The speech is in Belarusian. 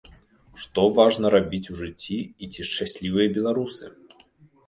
Што важна рабіць у жыцці і ці шчаслівыя беларусы?